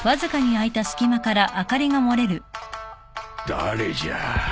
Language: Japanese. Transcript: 誰じゃ？